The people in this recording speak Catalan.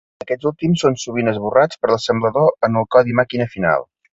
Aquests últims són sovint esborrats per l'assemblador en el codi màquina final.